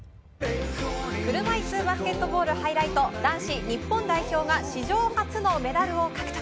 車いすバスケットボールハイライト、男子日本代表が史上初のメダルを獲得。